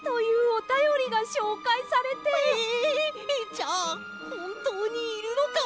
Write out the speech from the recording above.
じゃあほんとうにいるのかも！